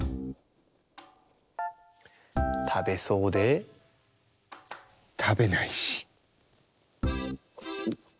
たべそうでたべないし。